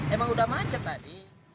emang udah macet tadi